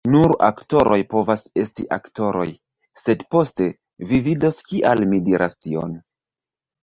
"Nur aktoroj povas esti aktoroj." sed poste, vi vidos kial mi diras tion.